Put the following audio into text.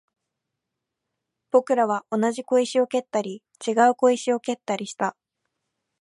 僕らは同じ小石を蹴ったり、違う小石を蹴ったりした